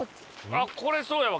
あっこれそうやわ。